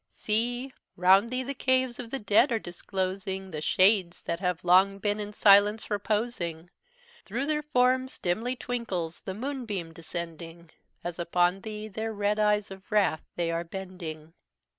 "See! round thee the caves of the dead are disclosing The shades that have long been in silence reposing; Thro' their forms dimly twinkles the moon beam descending, As upon thee their red eyes of wrath they are bending.